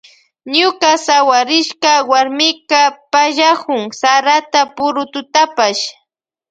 Ñuka sawarishka warmika pallakun sarata purututapash.